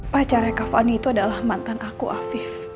pacarnya kak fani itu adalah mantan aku hafif